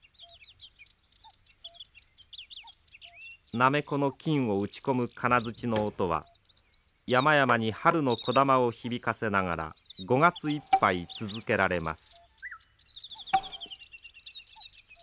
なめこの菌を打ち込む金づちの音は山々に春のこだまを響かせながら５月いっぱい続けられます。